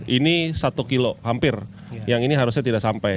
ini satu kilo hampir yang ini harusnya tidak sampai